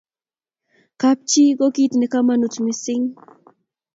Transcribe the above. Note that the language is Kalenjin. kab chii ko kit nebo kamangut mising